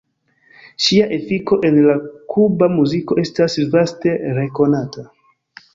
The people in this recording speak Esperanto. Ŝia efiko en la kuba muziko estas vaste rekonata.